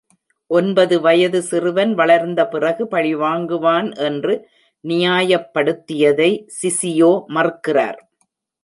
ஒன்பது வயது சிறுவன் வளர்ந்தபிறகு பழிவாங்குவான் என்று நியாயப்படுத்தியதை சிசியோ மறுக்கிறார்.